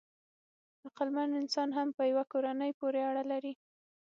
عقلمن انسان هم په یوه کورنۍ پورې اړه لري.